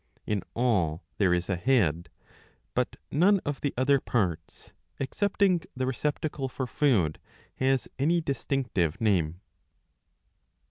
In all there is a head;^ but none of the other parts, excepting the receptacle for food, has any distinctive name.